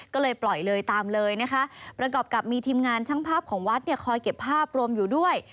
ก็เลยปล่อยเลยตามเลยนะคะประกอบกับมีทีมงานช่างภาพของวัดเนี่ยคอยเก็บภาพรวมอยู่ด้วย